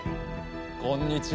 こんにちは